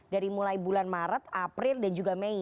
dari mulai bulan maret april dan juga mei